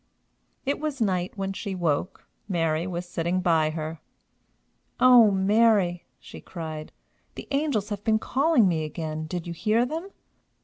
It was night when she woke. Mary was sitting by her. "O Mary!" she cried, "the angels have been calling me again. Did you hear them?"